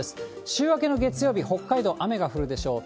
週明けの月曜日、北海道、雨が降るでしょう。